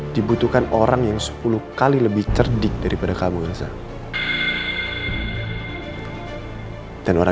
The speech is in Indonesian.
dibutuhkan orang yang sepuluh kali lebih cerdik daripada kamu azhar